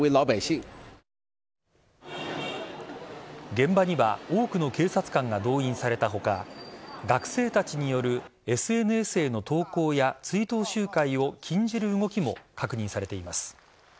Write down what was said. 現場には多くの警察官が動員された他学生たちによるＳＮＳへの投稿や追悼集会を禁じる動きも確認されています。